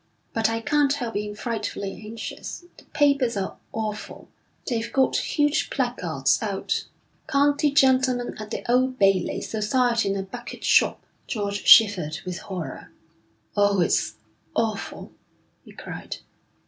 'But I can't help being frightfully anxious. The papers are awful. They've got huge placards out: County gentleman at the Old Bailey. Society in a Bucket Shop.' George shivered with horror. 'Oh, it's awful!' he cried.